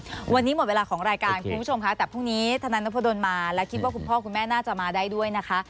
วันนี้หมดเวลาของรายการคุณผู้ชมค่ะแต่พรุ่งนี้ธนายนพดลมาและคิดว่าคุณพ่อคุณแม่น่าจะมาได้ด้วยนะคะ